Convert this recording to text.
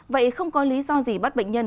vậy không có lý do gì bắt bệnh nhân